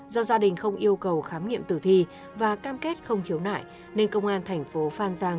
do gia đình không yêu cầu khám nghiệm tử thi và cam kết không khiếu nại nên công an thành phố phan giang